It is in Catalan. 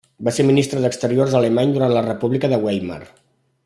Va ser ministre d'exteriors alemany durant la República de Weimar.